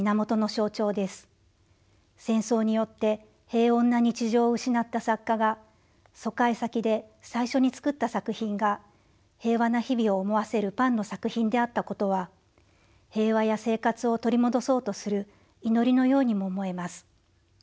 戦争によって平穏な日常を失った作家が疎開先で最初に作った作品が平和な日々を思わせるパンの作品であったことは平和や生活を取り戻そうとする祈りのようにも思えます。